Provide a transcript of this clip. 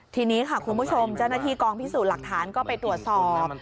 ทีนี้ค่ะคุณผู้ชมเจ้าหน้าที่กองพิสูจน์หลักฐานก็ไปตรวจสอบ